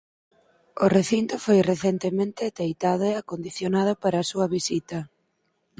O recinto foi recentemente teitado e acondicionado para a súa visita.